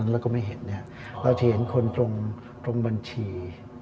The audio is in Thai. แล้วก็ไม่เห็นเราจะเห็นคนตรงบัญชี